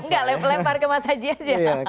nggak lempar ke mas haji aja